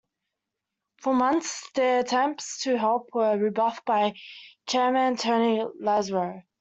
For months, their attempts to help were rebuffed by chairman Tony Lazarou.